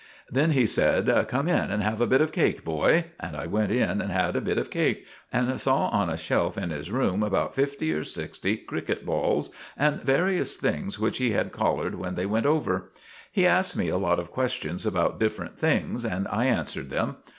Then he said, 'Come in and have a bit of cake, boy'; and I went in and had a bit of cake, and saw on a shelf in his room about fifty or sixty cricket balls, and various things which he has collared when they went over. He asked me a lot of questions about different things, and I answered them.